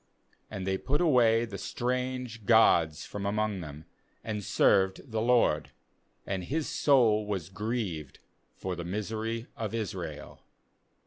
16And they put away the strange gods from among them, and served the LORD; and His soul was grieved for the misery of Israel.